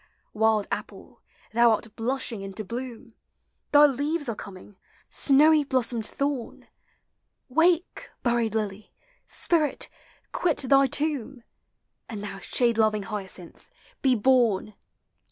Wild apple, thou art blushing into bloom! Thy leaves are coming, snowv blossomed thorn ! Wake, buried lily ! spirit, quit thy tomb ! And thou shade loving hyacinth, be born